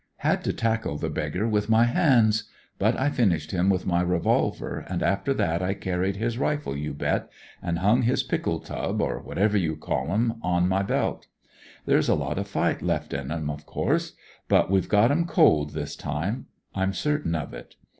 Had to tackle the beggar with my hands ; but I finished him with my revolver, and after that I carried his rifle, you bet, and hung his pickle tub, or whatever you call 'em, on my belt. There's lots of fight left in 'em, of course ; but we've got 'em cold this time, I'm certain of it.